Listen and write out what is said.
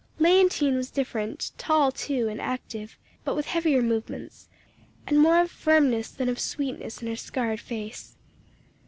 Léontine was different; tall too, and active, but with heavier movements, and more of firmness than of sweetness in her scarred face.